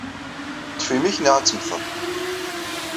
Ṭṭef imi-k, neɣ ad temmteḍ.